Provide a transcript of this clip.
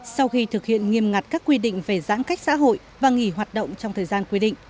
sau khi thực hiện nghiêm ngặt các quy định về giãn cách xã hội và nghỉ hoạt động trong thời gian quy định